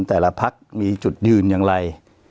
แต่ละพักมีจุดยืนอย่างไร